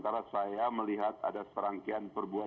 tetap mau have heart heart ke hati saya